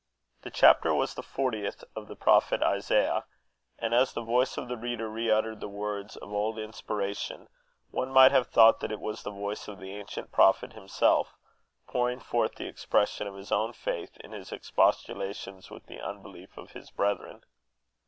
The chapter was the fortieth of the prophet Isaiah; and as the voice of the reader re uttered the words of old inspiration, one might have thought that it was the voice of the ancient prophet himself, pouring forth the expression of his own faith in his expostulations with the unbelief of his brethren.